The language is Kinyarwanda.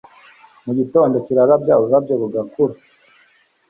mu gitondo kirarabya ururabyo rugakura